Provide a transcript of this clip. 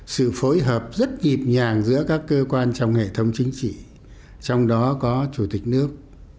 sự phối hợp rất nhịp nhàng giữa các cơ quan trong hệ thống chính trị trong đó có chủ tịch nước